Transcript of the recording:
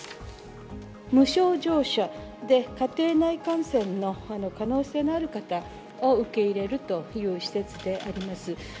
無症状者で、家庭内感染の可能性のある方を受け入れるという施設であります。